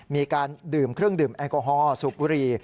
มีการดื่มเครื่องดื่มแอลกอฮอลสูบบุหรี่